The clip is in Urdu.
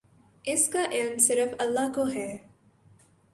اس کا علم صرف اللہ کو ہے۔